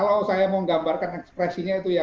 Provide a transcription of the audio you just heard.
kalau saya mau gambarkan ekspresinya itu ya